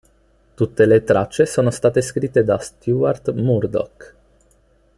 Tutte le tracce sono state scritte da Stuart Murdoch.